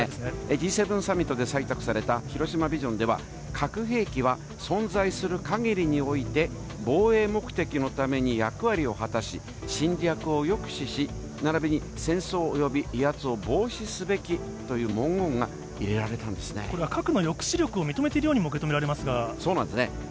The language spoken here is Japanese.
Ｇ７サミットで採択された広島ビジョンでは、核兵器は存在するかぎりにおいて、防衛目的のために役割を果たし、侵略を抑止し、ならびに戦争および威圧を防止すべきという文言が入れられたんでこれは核の抑止力を認めていそうなんですね。